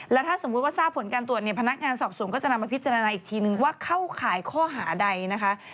แล้วถ้าสมมุติว่าทราบผลการตรวจเนี่ยพนักงานสอบสวนก็จะนำมาพิจารณาอีกทีนึงว่าเข้าข่ายข้อหาใดนะคะ